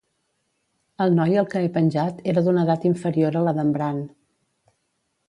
El noi al que he penjat era d'una edat inferior a la d'en Bran.